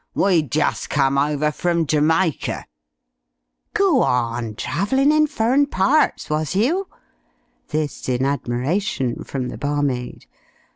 We'd just come over frum Jamaica " "Go on! Travellin' in furrin parts was you!" this in admiration from the barmaid.